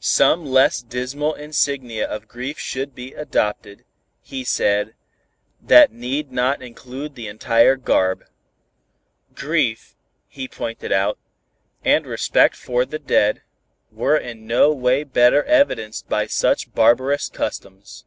Some less dismal insignia of grief should be adopted, he said, that need not include the entire garb. Grief, he pointed out, and respect for the dead, were in no way better evidenced by such barbarous customs.